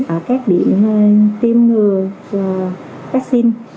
ở các điểm tiêm ngừa và vaccine